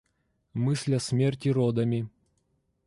Мысль о смерти родами.